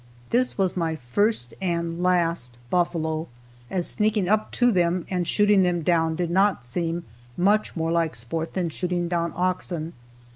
This was my first and last buffalo, as sneaking up to them and shooting them down did not seem much more like sport than shooting down oxen.